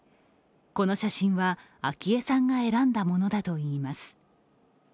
この写真は昭恵さんが選んだものだといいます。